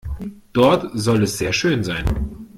Dort soll es sehr schön sein.